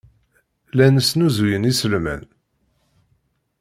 Llan snuzuyen iselman.